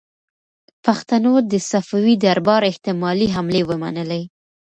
پښتنو د صفوي دربار احتمالي حملې ومنلې.